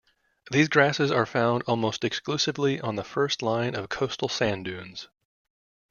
These grasses are found almost exclusively on the first line of coastal sand dunes.